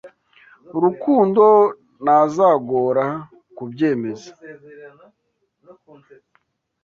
rukundo ntazagora kubyemeza.